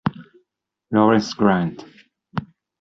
Lawrence Grant